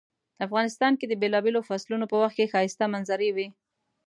افغانستان کې د بیلابیلو فصلونو په وخت کې ښایسته منظرۍ وی